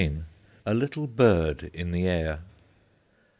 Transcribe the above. A LITTLE BIRD IN THE AIR.